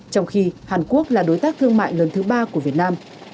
trong khi hàn quốc là đối tác thương mại lớn thứ ba của việt nam